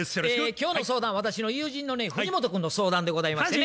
今日の相談は私の友人のね藤本君の相談でございましてね。